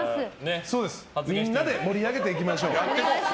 みんなで盛り上げていきましょう。